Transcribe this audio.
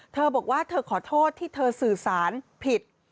เธอบอกว่าเธอขอโทษที่เธอสื่อสารผิด